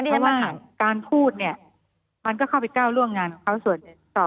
เพราะว่าการพูดก็เข้าไป๙ร่วงงานของเขาส่วน